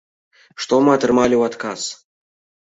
Што мы атрымалі ў адказ?